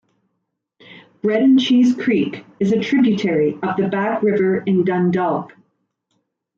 Bread and Cheese Creek is a tributary of the Back River in Dundalk.